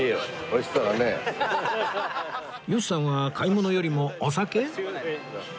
吉さんは買い物よりもお酒！？